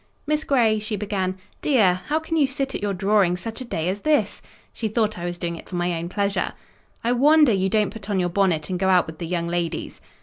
"Miss Grey," she began,—"dear! how can you sit at your drawing such a day as this?" (She thought I was doing it for my own pleasure.) "I wonder you don't put on your bonnet and go out with the young ladies."